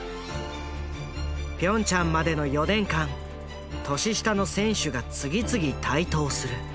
ピョンチャンまでの４年間年下の選手が次々台頭する。